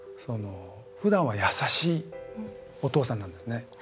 ふだんは優しいお父さんなんですね。